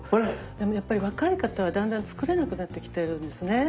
でもやっぱり若い方はだんだん作らなくなってきているんですね。